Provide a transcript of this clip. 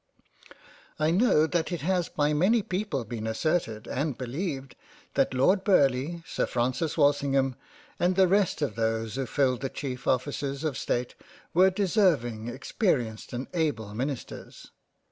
I know that it has by many people been asserted and beleived that Lord Burleigh, Sir Francis Wal singham, and the rest of those who filled the cheif offices of State were deserving, experienced, and able Ministers.